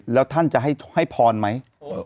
แล้วท่านจะให้พรไหม